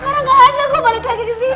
sekarang gaada gua balik lagi kesini